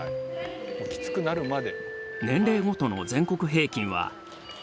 きつくなるまで。